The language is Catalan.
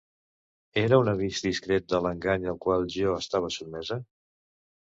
Era un avís discret de l'engany al qual jo estava sotmesa?